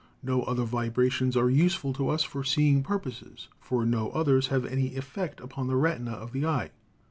No other vibrations are useful to us for seeing purposes, for no others have any effect upon the retina of the eye.